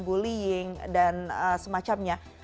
bullying dan semacamnya